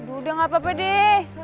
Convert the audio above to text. udah gak apa apa deh